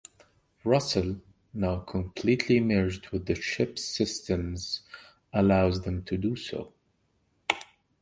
Rusel, now completely merged with the ship's systems, allows them to do so.